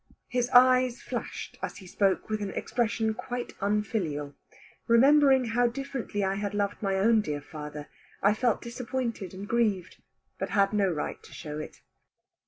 His eyes flashed, as he spoke, with an expression quite unfilial. Remembering how differently I had loved my own dear father, I felt disappointed and grieved, but had no right to show it.